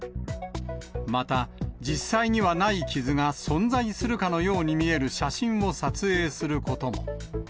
また実際にはない傷が存在するかのように見える写真を撮影することも。